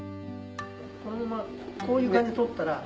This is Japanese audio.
このままこういう感じで取ったら。